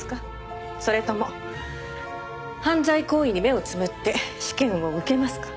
それとも犯罪行為に目をつむって試験を受けますか？